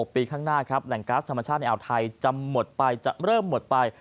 ปีข้างหน้าครับแหล่งก๊าซธรรมชาติในอ่าวไทยจะหมดไปจะเริ่มหมดไป